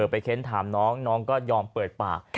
เค้นถามน้องน้องก็ยอมเปิดปาก